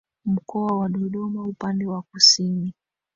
Mkoa wa Dodoma upande wa kusini